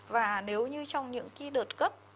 và nếu như trong những cái đợt cấp